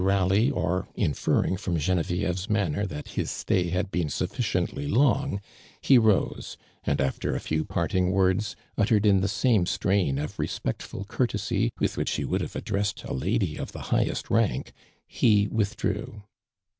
rally, or inferring from Genevieve's manner that his stay had been sufficiently long, he rose, and after a few parting words, utter ed in the same strain of respectful courtesy with which he would have addressed a lady of the highest rank, he withdrew.